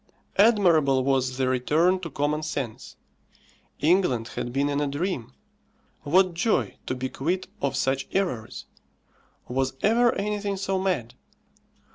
Admirable was the return to common sense. England had been in a dream. What joy to be quit of such errors! Was ever anything so mad?